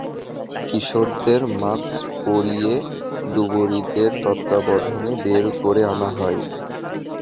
কিশোরদের মাস্ক পরিয়ে ডুবুরিদের তত্ত্বাবধানে বের করে আনা হয়।